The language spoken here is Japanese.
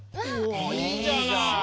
いいじゃない！